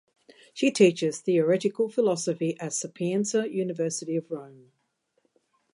She teaches theoretical philosophy at the Sapienza University of Rome.